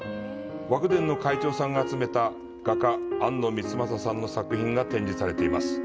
和久傳の会長さんが集めた画家・安野光雅さんの作品が展示されています。